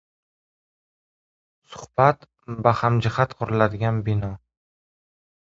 Suhbat — bahamjihat quriladigan bino.